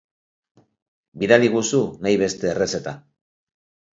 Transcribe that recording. Bidaliguzu nahi beste errezeta.